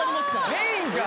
メインじゃん。